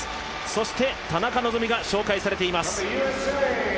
そして田中希実が紹介されています。